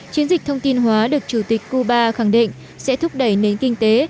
chiến dịch thông tin hóa được chủ tịch cuba khẳng định sẽ thúc đẩy nền kinh tế